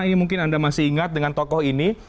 ini mungkin anda masih ingat dengan tokoh ini